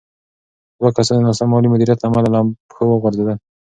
دوه کسان د ناسم مالي مدیریت له امله له پښو وغورځېدل.